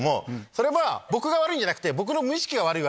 それは僕が悪いんじゃなくて。